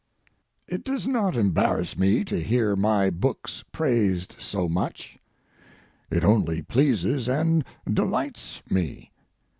It does not embarrass me to hear my books praised so much. It only pleases and delights me.